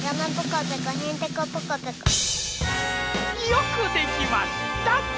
よくできました！